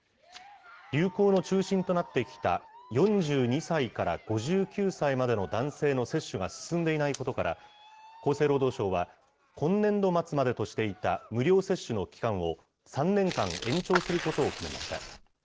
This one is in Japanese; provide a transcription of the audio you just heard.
流行の中心となってきた、４２歳から５９歳までの男性の接種が進んでいないことから、厚生労働省は、今年度末までとしていた無料接種の期間を、３年間延長することを決めました。